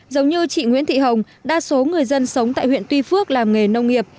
giống như chị nguyễn thị hồng đa số người dân sống tại huyện tuy phước làm nghề nông nghiệp